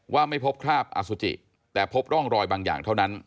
ไม่พบคราบอสุจิแต่พบร่องรอยบางอย่างเท่านั้น